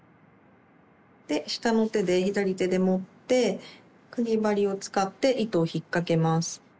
で下の手で左手で持ってかぎ針を使って糸を引っ掛けます。